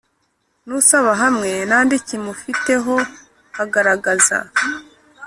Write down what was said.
N usaba hamwe n andi kimufiteho agaragaza